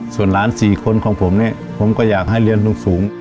ส่วนหลาน๔คนของผมเนี่ยผมก็อยากให้เรียนสูง